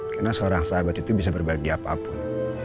karena seorang sahabat itu bisa berbagi apapun